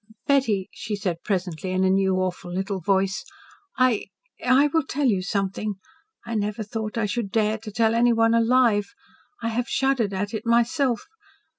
"Betty," she said presently, in a new, awful little voice, "I I will tell you something. I never thought I should dare to tell anyone alive. I have shuddered at it myself.